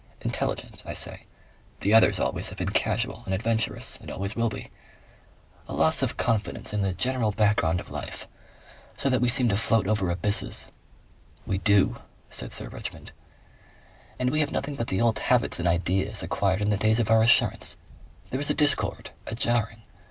Intelligent, I say. The others always have been casual and adventurous and always will be. A loss of confidence in the general background of life. So that we seem to float over abysses." "We do," said Sir Richmond. "And we have nothing but the old habits and ideas acquired in the days of our assurance. There is a discord, a jarring."